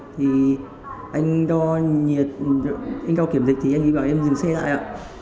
thì anh đo nhiệt anh cao kiểm dịch thì anh ấy bảo em dừng xe lại ạ